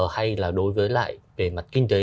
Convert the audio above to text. hay là đối với lại về mặt kinh tế